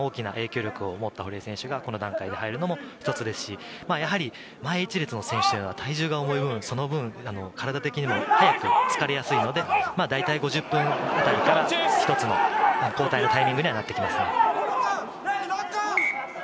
そういった意味でも一番大きな影響力を持った堀江選手がこの段階で入るのも一つですし、前１列の選手は体重が重い分、体的にも疲れやすいので、大体５０分あたりから一つの交代のタイミングにはなってきますね。